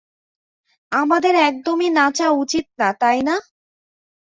আমাদের একদমই নাচা উচিত না, তাই না?